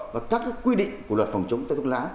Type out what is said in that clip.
và các quy định của luật phòng chống tác hại thuốc lá